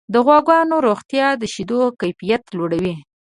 د غواګانو روغتیا د شیدو کیفیت لوړوي.